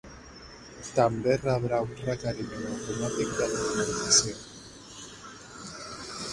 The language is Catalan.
També rebrà un requeriment automàtic de documentació.